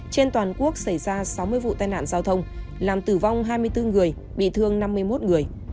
trên toàn quốc xảy ra sáu mươi vụ tai nạn giao thông làm tử vong hai mươi bốn người bị thương năm mươi một người